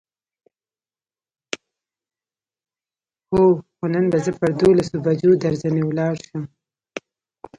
هو، خو نن به زه پر دولسو بجو درځنې ولاړ شم.